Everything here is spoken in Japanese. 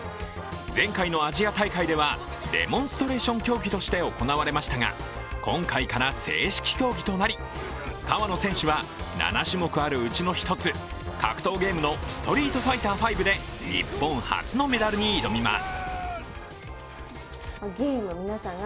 前回のアジア大会ではデモンストレーション競技として行われましたが、今回から正式競技となり、川野選手は７種目あるうちの１つ、格闘ゲームの「ストリートファイターⅤ」で日本初のメダルに挑みます。